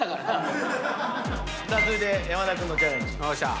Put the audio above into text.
さあ続いて山田君のチャレンジ。